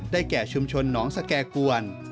แก่ชุมชนหนองสแก่กวน